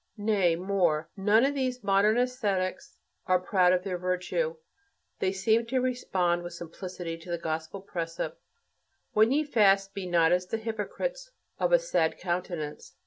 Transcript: Nay, more: none of these modern ascetics are proud of their virtue, they seem to respond with simplicity to the gospel precept: "When ye fast, be not as the hypocrites, of a sad countenance